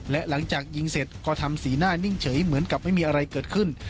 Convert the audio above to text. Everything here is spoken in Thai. และหลังจากยิงเสร็จก็ทำสีหน้านิ่งเฉยเหมือนกับไม่มีอะไรเกิดขึ้น